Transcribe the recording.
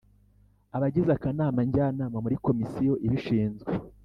Abagize akanama njyanama muri komisiyo ibishinzwe